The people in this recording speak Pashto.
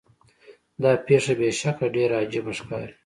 دا پیښه بې شکه ډیره عجیبه ښکاري.